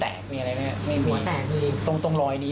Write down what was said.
อันนี้คือโดนอะไร